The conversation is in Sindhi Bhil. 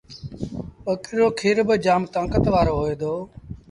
ٻڪريٚ رو کير با جآم تآݩڪت وآرو هوئي دو۔